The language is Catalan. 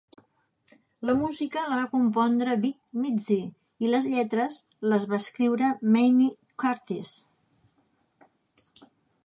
La música la va compondre Vic Mizzy, i les lletres les va escriure Manny Curtis.